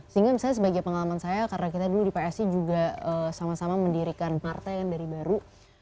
sehingga misalnya sebagai pengalaman saya karena kita dulu di psi juga sama sama mendirikan partai kan dari baru